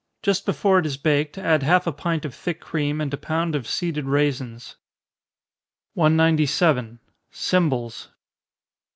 Just before it is baked, add half a pint of thick cream, and a pound of seeded raisins. 197. _Cymbals.